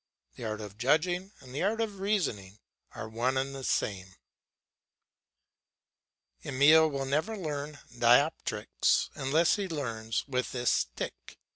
The art of judging and the art of reasoning are one and the same. Emile will never learn dioptrics unless he learns with this stick.